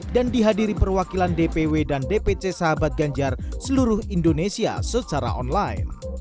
dan dihadiri perwakilan dpw dan dpc sahabat ganjar seluruh indonesia secara online